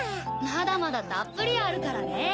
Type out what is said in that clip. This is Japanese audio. まだまだたっぷりあるからね。